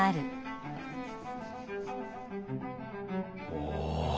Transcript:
おお！